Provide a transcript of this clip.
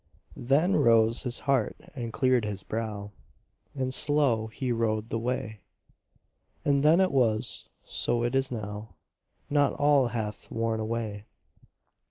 Then rose his heart and cleared his brow, And slow he rode the way: "As then it was, so is it now, Not all hath worn away."